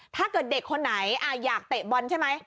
ถ้าเกิดเด็กคนไหนอยากเตะบอลใช่ไหม